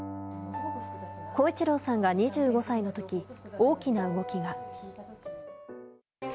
耕一郎さんが２５歳のとき、大きな動きが。